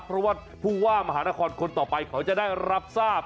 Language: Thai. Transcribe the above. เพราะว่าผู้ว่ามหานครคนต่อไปเขาจะได้รับทราบ